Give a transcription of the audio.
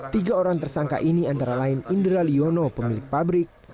tiga orang tersangka ini antara lain indra liono pemilik pabrik